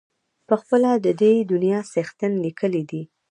پخپله د دې دنیا څښتن لیکلی دی.